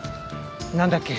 なんだっけ？